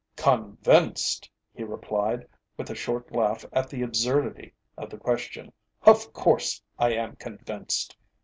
"Convinced?" he replied, with a short laugh at the absurdity of the question, "of course, I am convinced.